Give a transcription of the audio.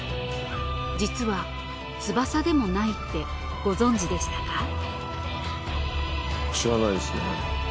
実は翼でもないってご存じでしたか？